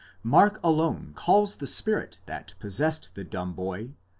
42 Mark alone calls the spirit that possessed the dumb boy (v.